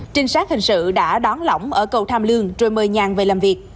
trinh sát hình sự đã đón lỏng ở cầu tham lương rồi mời nhàn về làm việc